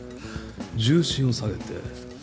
重心を下げて。